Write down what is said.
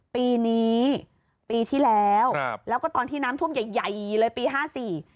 ปีนี้ปีที่แล้วแล้วก็ตอนที่น้ำท่วมใหญ่เลยปี๕๔